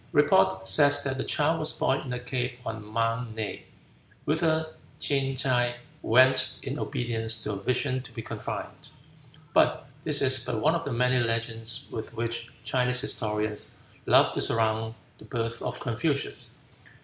Report says that the child was born in a cave on Mount Ne, whither Ching tsai went in obedience to a vision to be confined. But this is but one of the many legends with which Chinese historians love to surround the birth of Confucius.